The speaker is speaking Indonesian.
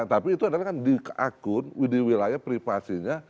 tapi itu adalah kan di akun di wilayah privasinya